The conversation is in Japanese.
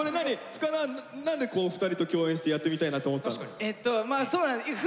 深田は何で２人と共演してやってみたいなと思ったの？